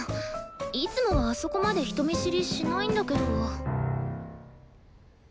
いつもはあそこまで人見知りしないんだけど。